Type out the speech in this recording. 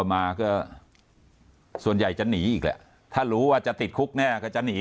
มาก็ส่วนใหญ่จะหนีอีกแหละถ้ารู้ว่าจะติดคุกแน่ก็จะหนี